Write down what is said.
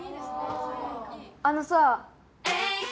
あのさ。